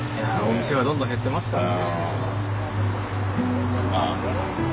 お店はどんどん減ってますから。